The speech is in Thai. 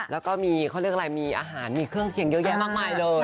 แล้วก็มีเขาเรียกอะไรมีอาหารมีเครื่องเคียงเยอะแยะมากมายเลย